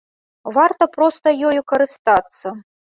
Варта проста ёю карыстацца.